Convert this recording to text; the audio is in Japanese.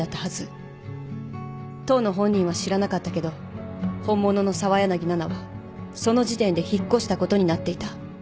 当の本人は知らなかったけど本物の澤柳菜々はその時点で引っ越したことになっていた。